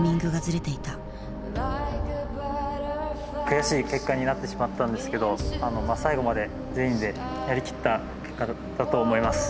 悔しい結果になってしまったんですけど最後まで全員でやりきった結果だったと思います。